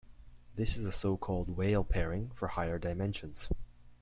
This is the so-called "Weil pairing" for higher dimensions.